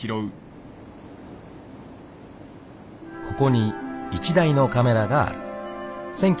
［ここに１台のカメラがある］